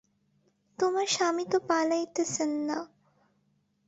তোমার স্বামী তো পালাইতেছেন না।